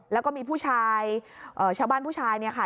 แล้วก็มีผู้ชายชาวบ้านผู้ชายเนี่ยค่ะ